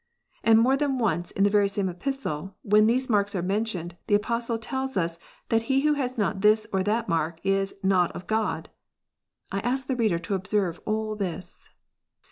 And more than once in the very same Epistle, when these marks are mentioned, the Apostle tells us that he who has not this or that mark is " not of God." I ask the reader to observe all this.